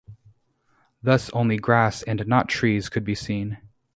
Thus, only grass and not trees could be seen.